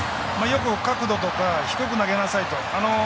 よく角度とか低く投げなさいと。